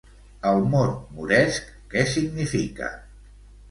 El mot moresc què significa?